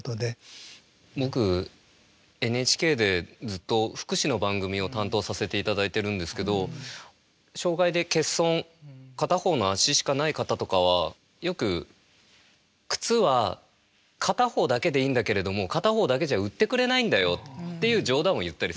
僕ＮＨＫでずっと福祉の番組を担当させて頂いているんですけど障害で欠損片方の足しかない方とかはよく靴は片方だけでいいんだけれども片方だけじゃ売ってくれないんだよっていう冗談を言ったりするんですね。